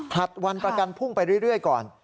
ผลัดวันประกันพุ่งไปเรื่อยก่อน